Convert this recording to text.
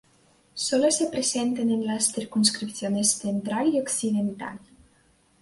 Sólo se presentan en las circunscripciones central y occidental.